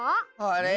あれ？